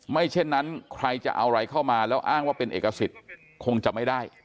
เช่นนั้นใครจะเอาอะไรเข้ามาแล้วอ้างว่าเป็นเอกสิทธิ์คงจะไม่ได้